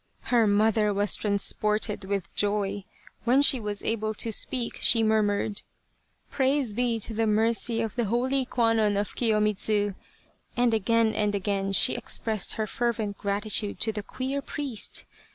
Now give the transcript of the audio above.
" Her mother was transported with joy. When she was able to speak, she murmured, ' Praise be to the mercy of the holy Kwannon of Kiyomidzu !' and again 258 ' A Cherry Flower Idyll and again she expressed her fervent gratitude to the queer priest.